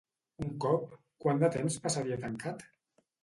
Un cop, quant de temps passaria tancat?